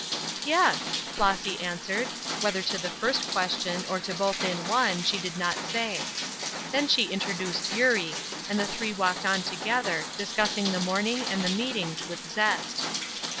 "Yes," Flossy answered, whether to the first question, or to both in one, she did not say. Then she introduced Eurie, and the three walked on together, discussing the morning and the meetings with zest.